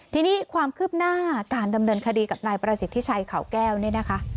ทีนี้ความคืบหน้าการดำเนินคดีกับนายประสิทธิชัยเขาแก้วเนี่ยนะคะ